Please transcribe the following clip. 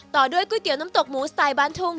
ต่อด้วยก๋วยเตี๋ยวน้ำตกหมูสไตล์บ้านทุ่ง